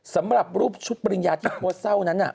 สำหรับรูปชุดปริญญาที่โพสต์เศร้านั้น